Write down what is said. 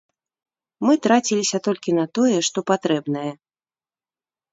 Мы траціліся толькі на тое, што патрэбнае.